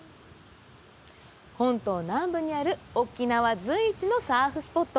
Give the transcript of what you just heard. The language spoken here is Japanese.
本島南部にある沖縄随一のサーフスポット。